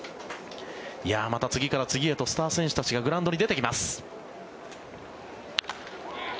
また次から次へとスター選手たちがグラウンドに出てきます。